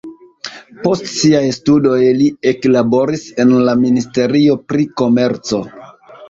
Post siaj studoj li eklaboris en la ministerio pri komerco.